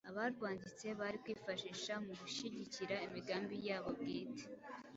abarwanditse bari kwifashisha mu gushigikira imigambi yabo bwite.